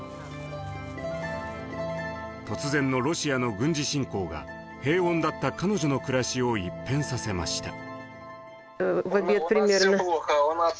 突然のロシアの軍事侵攻が平穏だった彼女の暮らしを一変させました。